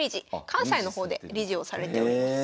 関西の方で理事をされております。